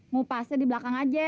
ngupasnya di belakang aja